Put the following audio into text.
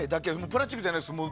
プラスチックじゃないです。